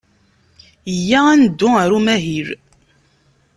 Iyya ad neddu ɣer umahil.